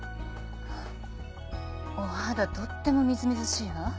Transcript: お肌とってもみずみずしいわ。